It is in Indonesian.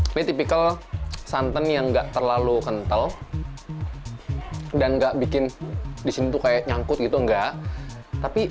ini tipikal santan yang enggak terlalu kental dan enggak bikin disini tuh kayak nyangkut gitu enggak tapi